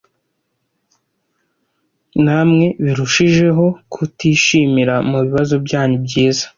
namwe birushijeho kutishimira mubibazo byanyu byiza